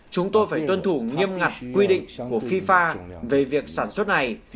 chúng tôi phải tuân thủ nghiêm ngặt quy định của fifa về việc sản xuất này